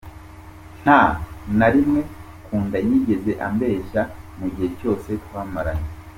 Nta na rimwe Kunda yigeze ambeshya mu gihe cyose twamaranye.